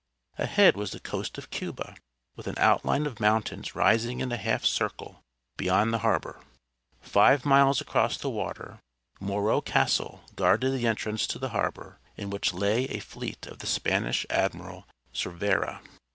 Ahead was the coast of Cuba, with an outline of mountains rising in a half circle beyond the harbor. Five miles across the water Morro Castle guarded the entrance to the harbor, in which lay a fleet of the Spanish Admiral Cervera.